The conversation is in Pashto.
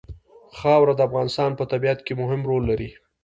خاوره د افغانستان په طبیعت کې مهم رول لري.